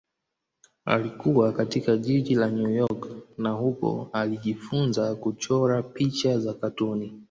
Alikua katika jiji la New York na huko alijifunza kuchora picha za katuni.